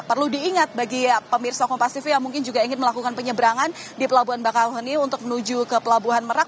perlu diingat bagi pemirsa kompas tv yang mungkin juga ingin melakukan penyeberangan di pelabuhan bakauheni untuk menuju ke pelabuhan merak